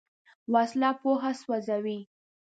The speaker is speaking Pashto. وسله پوهه سوځوي